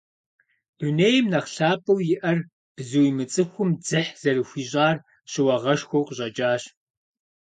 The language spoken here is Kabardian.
Дунейм нэхъ лъапӀэу иӀэр бзу имыцӀыхум дзыхь зэрыхуищӀар щыуагъэшхуэу къыщӀэкӀащ.